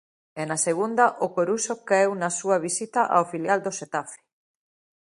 E na Segunda, o Coruxo caeu na súa visita ao filial do Xetafe.